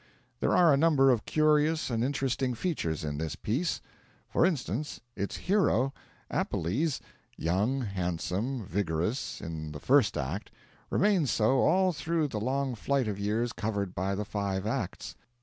There are a number of curious and interesting features in this piece. For instance, its hero, Appelles, young, handsome, vigorous, in the first act, remains so all through the long flight of years covered by the five acts.